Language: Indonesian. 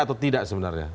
atau tidak sebenarnya